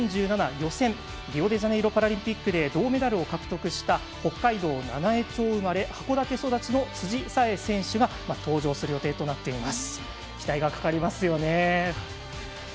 予選リオデジャネイロオパラリンピックで銅メダルを獲得した北海道七飯町、函館育ちの辻沙絵選手が登場する予定となっています。